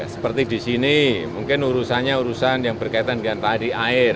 seperti di sini mungkin urusannya urusan yang berkaitan dengan tadi air